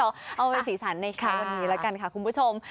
เอาเป็นสีสันในเช้าวันนี้แล้วกันค่ะคุณผู้ชม